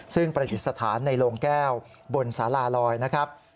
ซึ่งประดิษฐานในโลงแก้วบนสาราลอยนะครับ